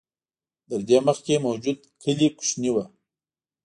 تر دې مخکې موجود کلي کوچني و.